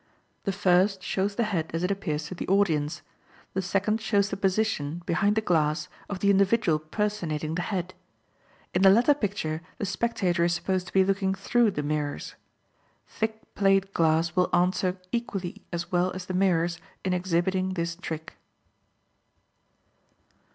The first shows the head as it appears to the audience; the second shows the position, behind the glass, of the individual personating the "head." In the latter picture the spectator is supposed to be looking through the mirrors. Thick plate glass will answer equally as well as the mirrors in exhibiting this trick.